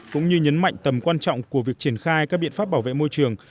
cũng như nhấn mạnh tầm quan trọng của việc triển khai các biện pháp bảo vệ môi trường